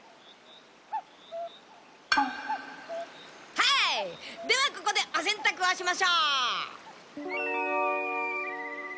はいではここでおせんたくをしましょう！